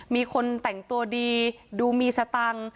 มีคนแต่งตัวดีดูมีสตังค์